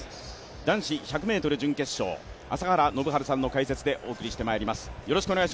男子１００ｍ準決勝朝原宣治さんの解説でお送りしてまいります。